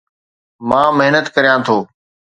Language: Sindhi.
مان محنت ڪريان ٿو